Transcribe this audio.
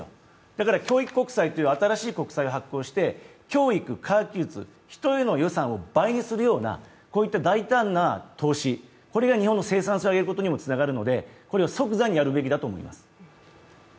だから教育国債という新しい国債を発行して教育、科学技術、人への予算を倍にするようなこういった大胆な投資、これが日本の生産性を上げることにもつながるのでこれを即座にやるべきだと思います。